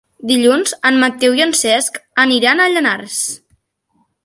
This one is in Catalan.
Dilluns en Mateu i en Cesc aniran a Llanars.